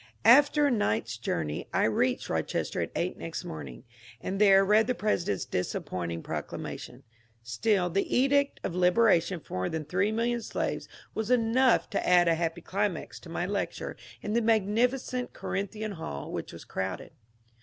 After a night's journey I reached Rochester at eight next morning, and there read the President's disappointing proclamation. Still the edict of liberation for more than tibee million slaves was enough to 374 MONCURE DANIEL CONWAT add a happy climax to my lecture in the magnificent Corin thian Hall, which was crowded.